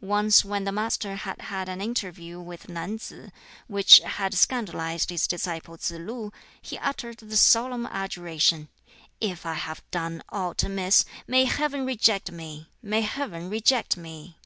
Once when the Master had had an interview with Nan tsz, which had scandalized his disciple Tsz lu, he uttered the solemn adjuration, "If I have done aught amiss, may Heaven reject me! may Heaven reject me!"